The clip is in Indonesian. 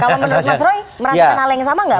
kalau menurut mas roy merasakan hal yang sama nggak